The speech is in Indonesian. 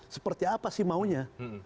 seperti apa sih maunya